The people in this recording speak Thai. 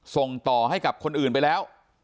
ส่งต่อให้กับคนอื่นไปแล้ว